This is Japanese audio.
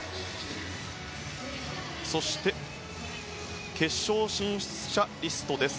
そして、決勝進出者リストです。